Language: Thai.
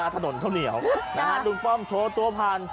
ถนนเข้าเหนียวหน้าตุ๊กป้อมโชว์ตัวผ่าน